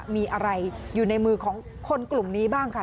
มีอะไรอยู่ในมือของคนกลุ่มนี้บ้างค่ะ